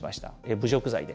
侮辱罪で。